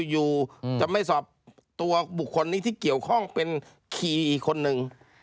อยู่จะไม่สอบตัวบุคคลนี้ที่เกี่ยวข้องเป็นขี่อีกคนนึง